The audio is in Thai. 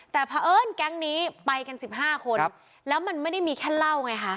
แต่เพราะเอิ้นแก๊งนี้ไปกัน๑๕คนแล้วมันไม่ได้มีแค่เหล้าไงคะ